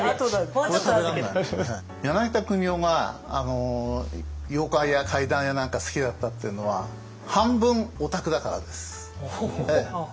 柳田国男が妖怪や怪談やなんか好きだったっていうのは半分オタクだからです。